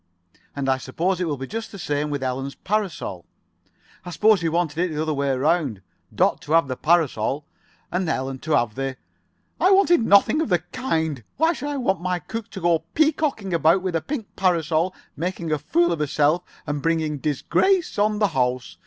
"And I suppose it will be just the same with Ellen's parasol. I suppose you wanted it the other way round—Dot to have the parasol and Ellen to have the——" "I wanted nothing of the kind. Why should I want my cook to go peacocking about with a pink parasol, making a fool of herself, and bringing disgrace on the house?